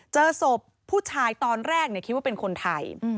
เจอศพผู้ชายตอนแรกคิดว่าเป็นคนไทย